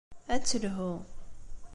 Ad telhu.